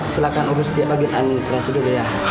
silahkan urus setiap bagian administrasi dulu ya